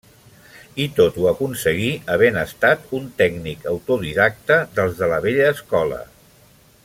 I tot ho aconseguí havent estat un tècnic autodidacte, dels de la vella escola.